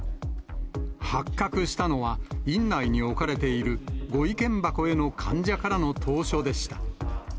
発覚したのは、院内に置かれているご意見箱への患者からの投書でした。